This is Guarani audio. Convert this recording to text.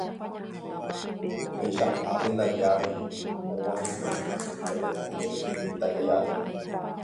Peichahápe ndaje avei og̃uahẽkuri Jataitýpe peteĩ mitãkaria'y.